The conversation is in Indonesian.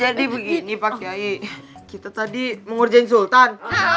jadi begini pak kiai kita tadi mengurjain sultan